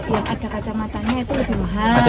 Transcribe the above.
yang ada kacamata nya itu lebih mahal